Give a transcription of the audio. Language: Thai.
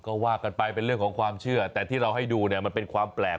ก็ว่ากันไปเป็นเรื่องของความเชื่อแต่ที่เราให้ดูเนี่ยมันเป็นความแปลก